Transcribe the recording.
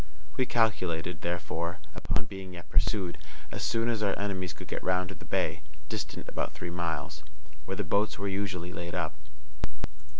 _We calculated, therefore, upon being yet pursued, as soon as our enemies could get round to the bay (distant about three miles) where the boats were usually laid up.